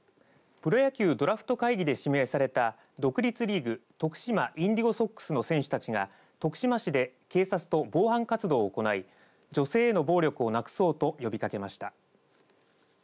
プロ野球ドラフト会議で指名された独立リーグ、徳島インディゴソックスの選手たちが徳島市で警察と防犯活動を行い女性への暴力をなくそうと呼びかけました。